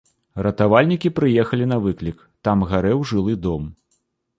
Ратавальнікі прыехалі на выклік, там гарэў жылы дом.